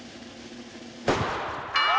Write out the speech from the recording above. あ！